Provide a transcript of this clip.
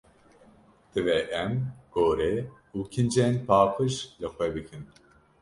Divê em gore û kincên paqij li xwe bikin.